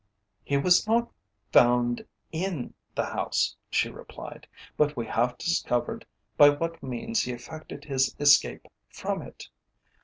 "He was not found in the house," she replied. "But we have discovered by what means he effected his escape from it.